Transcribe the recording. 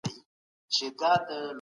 تاسو خلګو ته د ميني پيغام رسولی و.